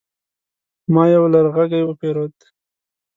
ما يو لرغږی وپيرود